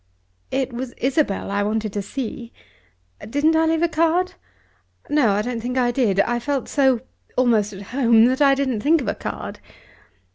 "It was Isabel I wanted to see. Didn't I leave a card? No; I don't think I did. I felt so almost at home, that I didn't think of a card."